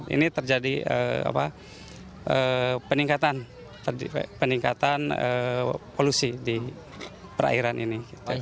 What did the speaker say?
ini terjadi peningkatan polusi di perairan ini